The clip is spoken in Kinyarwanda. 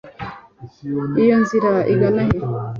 iyo nzira igana he